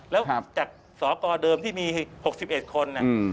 แล้วจากสกเดิมที่มี๖๑คน